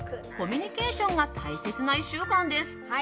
コミュニケーションが大切な１週間です。